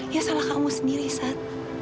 ya salah kamu sendiri saat